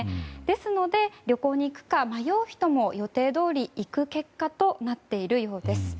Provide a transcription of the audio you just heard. ですので旅行に行くか迷う人も予定どおり行く結果となっているようです。